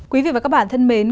quý vị và các bạn thân mến